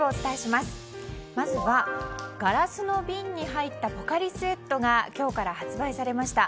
まずは、ガラスの瓶に入ったポカリスエットが今日から発売されました。